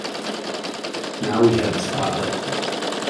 Now we had the spotlight.